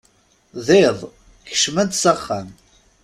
D iḍ, kecmemt s axxam.